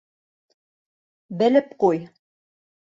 Белеп ҡуй.